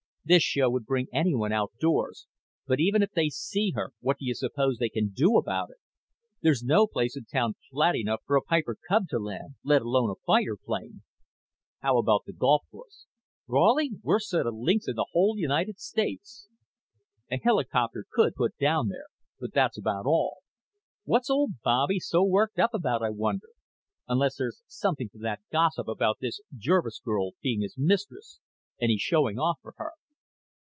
"This show would bring anyone outdoors, but even if they see her what do you suppose they can do about it? There's no place in town flat enough for a Piper Cub to land, let alone a fighter plane." "How about the golf course?" "Raleigh? Worst set of links in the whole United States. A helicopter could put down there, but that's about all. What's old Bobby so worked up about, I wonder? Unless there's something to that gossip about this Jervis girl being his mistress and he's showing off for her."